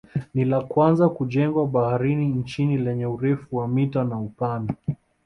Ni la kwanza kujengwa baharini nchini lenye urefu wa mita na upana